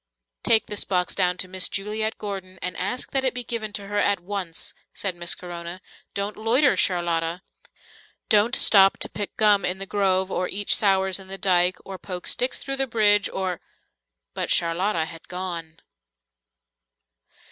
"Take this box down to Miss Juliet Gordon, and ask that it be given to her at once," said Miss Corona, "Don't loiter, Charlotta. Don't stop to pick gum in the grove, or eat sours in the dike, or poke sticks through the bridge, or " But Charlotta had gone.